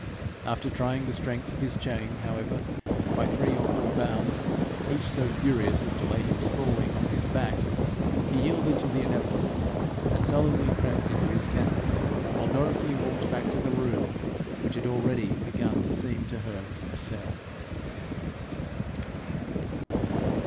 After trying the strength of his chain, however, by three or four bounds, each so furious as to lay him sprawling on his back, he yielded to the inevitable, and sullenly crept into his kennel, while Dorothy walked back to the room which had already begun to seem to her a cell.